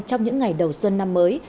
trong những ngày đầu xuân năm mới